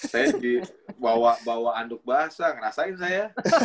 saya dibawa bawa anduk basah ngerasain saya